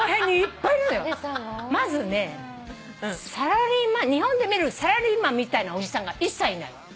まずね日本で見るサラリーマンみたいなおじさんが一切いない。